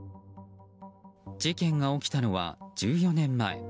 事件が起きたのは、１４年前。